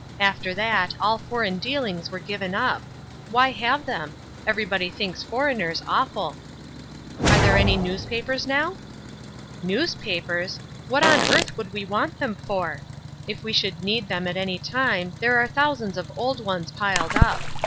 After that all foreign dealings were given up. Why have them? Everybody thinks foreigners awful." "Are there any newspapers now?" "Newspapers! What on earth would we want them for? If we should need them at any time there are thousands of old ones piled up.